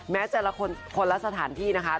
แม้แต่ละคนละสถานที่นะคะ